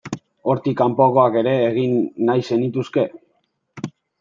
Hortik kanpokoak ere egin nahi zenituzke?